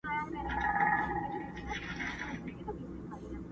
په دربار کي مي تر تا نسته ښاغلی؛